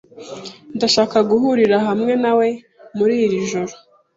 Ndashaka guhurira hamwe nawe muri iri joro.